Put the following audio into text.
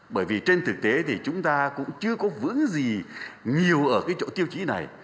bởi vì trên thực tế thì chúng ta cũng chưa có vững gì nhiều ở cái chỗ tiêu chí này